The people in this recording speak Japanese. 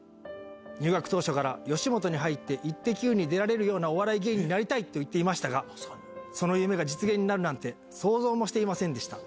入学当初から吉本に入ってイッテＱ！に出られるようなお笑い芸人になりたいと言っていましたが、その夢が実現になるなんて、想像もしていませんでした。